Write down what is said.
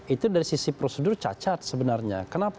itu dari sisi prosedur cacat sebenarnya kenapa